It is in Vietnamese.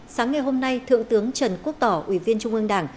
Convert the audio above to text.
sáng ngày hôm nay thượng tướng trần quốc tỏ ủy viên trung ương đảng